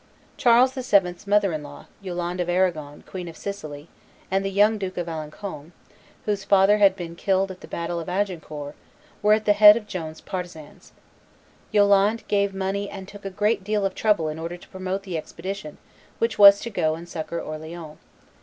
Charles VII.'s mother in law, Yolande of Arragon, Queen of Sicily, and the young Duke of Alencon, whose father had been killed at the battle of Agincourt, were at the head of Joan's partisans. Yolande gave money and took a great deal of trouble in order to promote the expedition which was to go and succor Orleans.